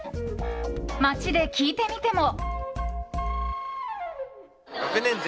街で聞いてみても。